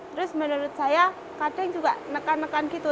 terus menurut saya kadang juga nekan nekan gitu